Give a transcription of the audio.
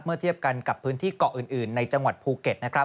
เมื่อเทียบกันกับพื้นที่เกาะอื่นในจังหวัดภูเก็ต